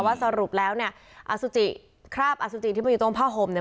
ว่าสรุปแล้วเนี่ยอสุจิคราบอสุจิที่มันอยู่ตรงผ้าห่มเนี่ย